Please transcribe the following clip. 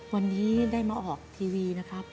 วันนี้ได้มาออกทีวีนะครับ